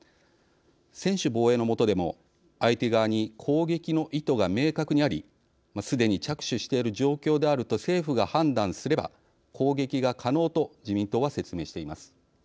専守防衛の下でも相手側に攻撃の意図が明確にありすでに着手している状況であると政府が判断すれば攻撃が可能と自民党は説明しています。